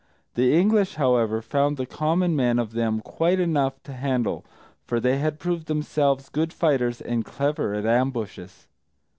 The English, however, found the common men of them quite enough to handle, for they had proved themselves good fighters and clever at ambushes.